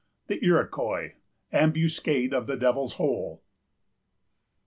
THE IROQUOIS.——AMBUSCADE OF THE DEVIL'S HOLE.